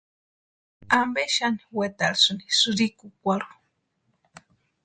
¿Ampe xani wetarsïni sïrikukwarhu?